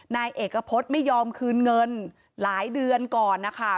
นายเอกพฤษไม่ยอมคืนเงินหลายเดือนก่อนนะคะ